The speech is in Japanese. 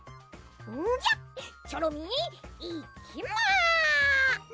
んじゃチョロミーいきま。